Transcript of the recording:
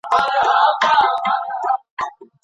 که د بریښنا مزي خوندي سي، نو کارګران نه بریښنا نیسي.